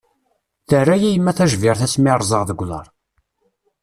Terra-iyi yemma tajbirt ass mi ṛẓeɣ deg uḍaṛ.